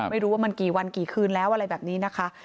ไม่รู้ว่ามันกี่วันกี่คืนแล้วอะไรแบบนี้นะคะ